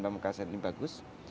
pemekasan ini bagus